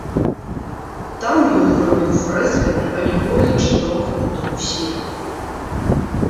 Там ён вырабіў фрэскамі алегорыі чатырох кутоў свету.